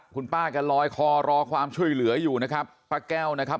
คุณป้าแกลอยคอรอความช่วยเหลืออยู่นะครับป้าแก้วนะครับ